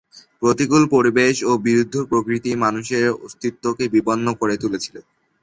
প্রতিকুল পরিবেশ ও বিরুদ্ধ প্রকৃতি মানুষের অস্তিত্বকে বিপন্ন করে তুলেছিল।